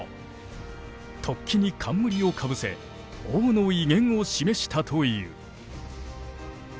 突起に冠をかぶせ王の威厳を示したという。